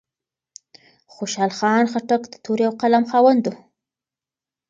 خوشال خان خټک د تورې او قلم خاوند و.